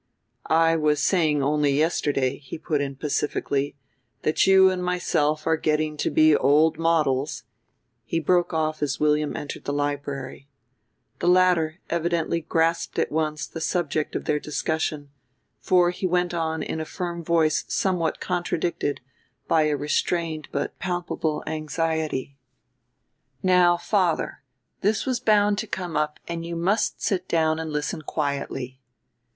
"I was saying only yesterday," he put in pacifically, "that you and myself are getting to be old models " he broke off as William entered the library. The latter evidently grasped at once the subject of their discussion, for he went on in a firm voice somewhat contradicted by a restrained but palpable anxiety: "Now, father, this was bound to come up and you must sit down and listen quietly."